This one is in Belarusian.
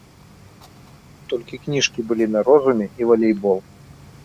Толькі кніжкі былі на розуме і валейбол.